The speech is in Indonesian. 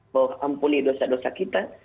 bahwa ampuni dosa dosa kita